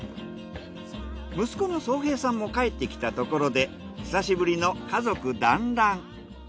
息子の宗平さんも帰ってきたところで久しぶりの家族団らん。